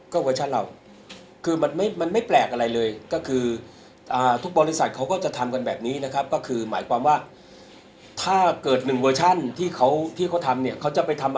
ก็เวอร์ชั่นเราคือมันไม่มันไม่แปลกอะไรเลยก็คือทุกบริษัทเขาก็จะทำกันแบบนี้นะครับก็คือหมายความว่าถ้าเกิดหนึ่งเวอร์ชันที่เขาที่เขาทำเนี่ยเขาจะไปทำ